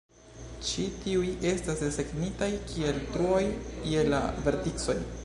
Ĉi tiuj estas desegnitaj kiel "truoj" je la verticoj.